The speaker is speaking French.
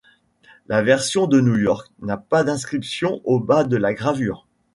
La version de New York n'a pas d'inscription au bas de la gravure.